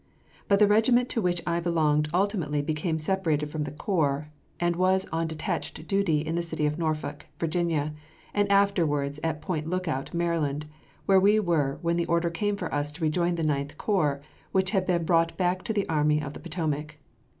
But the regiment to which I belonged ultimately became separated from the corps, and was on detached duty in the city of Norfolk, Virginia, and afterwards at Point Lookout, Maryland, where we were when the order came for us to rejoin the Ninth Corps, which had been brought back to the Army of the Potomac.